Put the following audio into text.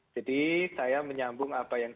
jadi saya menyambung apa yang